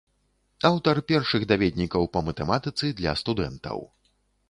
Аўтар першых даведнікаў па матэматыцы для студэнтаў.